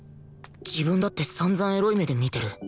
自分だって散々エロい目で見てる